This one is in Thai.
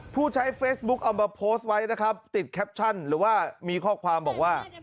ผู้ใช้เฟซบุ๊กเอามาโพสต์ไว้นะครับติดแคปชั่นหรือว่ามีข้อความบอกว่า